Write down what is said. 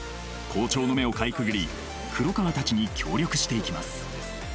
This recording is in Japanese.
校長の目をかいくぐり黒川たちに協力していきます